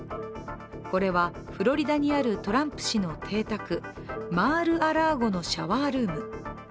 これはフロリダにあるトランプ氏の邸宅、マール・ア・ラーゴのシャワールーム。